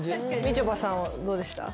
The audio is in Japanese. みちょぱさんどうでした？